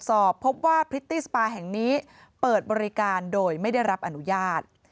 สอบพบว่าพริตตี้สปาแห่งนี้เปิดบริการโดยไม่ได้รับอนุญาต